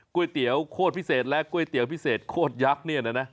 ก๋วยเตี๋ยวโคตรพิเศษและก๋วยเตี๋ยวพิเศษโคตรยักษ์เนี่ยนะ